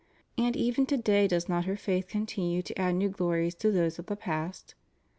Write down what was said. And even to day does not her faith continue to add new glories to those of the past?